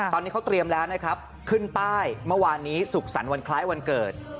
ตอนนี้เขาเตรียมแล้วนะครับขึ้นป้ายเมื่อวานนี้สุขสรรค์วันคล้ายวันเกิด